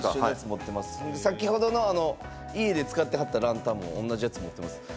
先ほどの家で使ってはったランタンも同じやつを持っています。